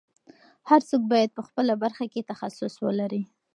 هر څوک باید په خپله برخه کې تخصص ولري.